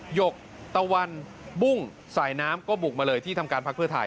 หยกตะวันบุ้งสายน้ำก็บุกมาเลยที่ทำการพักเพื่อไทย